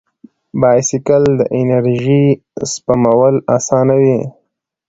بایسکل د انرژۍ سپمول اسانوي.